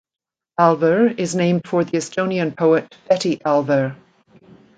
Alver is named for the Estonian poet Betti Alver.